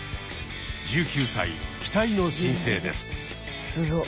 １９歳期待の新星です。